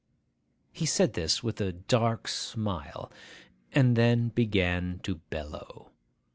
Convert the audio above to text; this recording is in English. He said this with a dark smile, and then began to bellow.